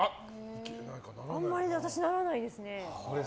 あんまり私ならないですね。